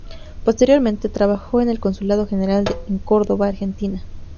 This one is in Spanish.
Posteriormente, trabajó en el Consulado General en Córdoba, Argentina.